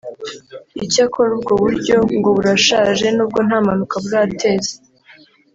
Icyakora ubwo buryo ngo burashaje n’ubwo nta mpanuka burateza